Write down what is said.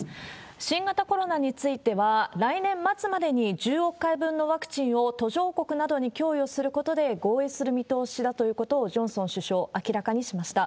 新型コロナについては来年末までに１０億回分のワクチンを途上国などに供与することで合意する見通しだということを、ジョンソン首相、明らかにしました。